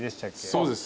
そうです。